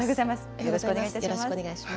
よろしよろしくお願いします。